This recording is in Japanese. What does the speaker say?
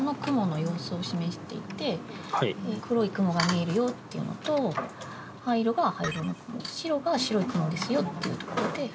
黒い雲が見えるよっていうのと灰色が灰色の雲白が白い雲ですよっていうところで。